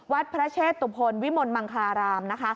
วัดพระเชษตุพลวิมลมังคารามนะคะ